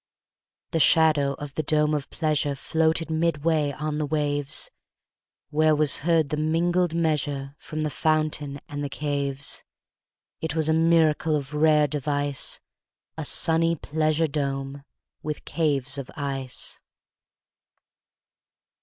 30 The shadow of the dome of pleasure Floated midway on the waves; Where was heard the mingled measure From the fountain and the caves. It was a miracle of rare device, 35 A sunny pleasure dome with caves of ice!